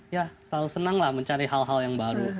ya selalu senang lah mencari hal hal yang baru